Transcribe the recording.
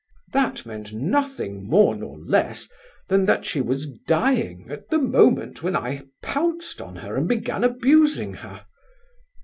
That meant nothing more nor less than that she was dying at the moment when I pounced on her and began abusing her.